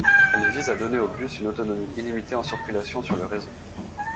Elle vise à donner aux bus une autonomie illimitée en circulation sur le réseau.